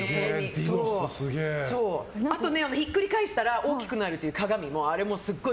あと、ひっくり返したら大きくなるという鏡もすごい。